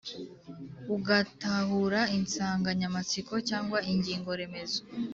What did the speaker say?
ugatahura insanganyamatsiko cyangwa ingingo remezo